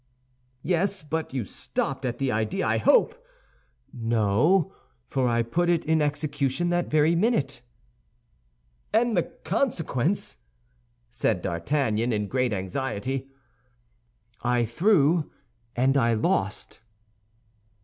"Yes; but you stopped at the idea, I hope?" "No; for I put it in execution that very minute." "And the consequence?" said D'Artagnan, in great anxiety. "I threw, and I lost."